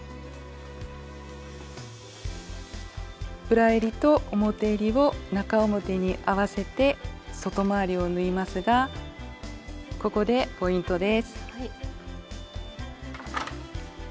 裏えりと表えりを中表に合わせて外回りを縫いますがここでポイントです。